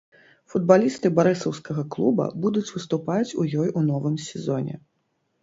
Футбалісты барысаўскага клуба будуць выступаць у ёй у новым сезоне.